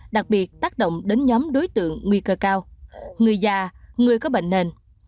đặc biệt tác động đến nhóm đối tượng nguy cơ cao người già người có bệnh nền